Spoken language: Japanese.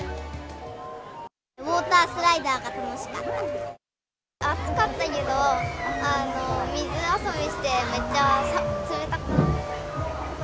ウォータースライダーが楽し暑かったけど、水遊びしてめっちゃ冷たかった。